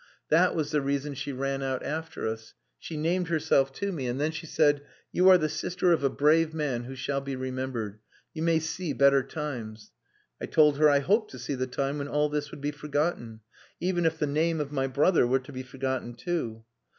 That was the reason she ran out after us. She named herself to me, and then she said, 'You are the sister of a brave man who shall be remembered. You may see better times.' I told her I hoped to see the time when all this would be forgotten, even if the name of my brother were to be forgotten too.